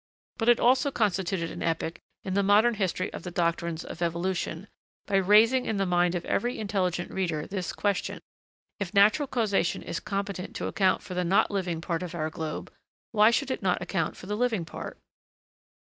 But it also constituted an epoch in the modern history of the doctrines of evolution, by raising in the mind of every intelligent reader this question: If natural causation is competent to account for the not living part of our globe, why should it not account for the living part?